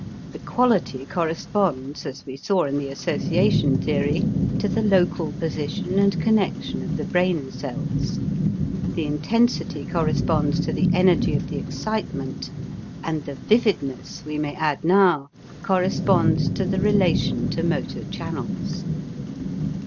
The quality corresponds, as we saw in the association theory, to the local position and connection of the brain cells; the intensity corresponds to the energy of the excitement; and the vividness, we may add now, corresponds to the relation to motor channels.